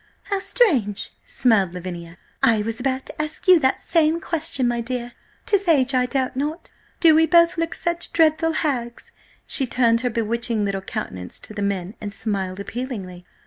"How strange!" smiled Lavinia. "I was about to ask you that same question, my dear! 'Tis age, I doubt not. Do we both look such dreadful hags?" She turned her bewitching little countenance to the men, and smiled appealingly.